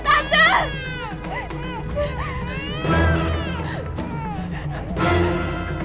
amin buka pintunya amin